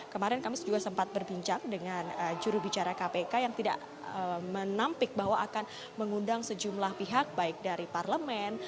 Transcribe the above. kemarin kami juga sempat berbincang dengan jurubicara kpk yang tidak menampik bahwa akan mengundang sejumlah pihak baik dari parlemen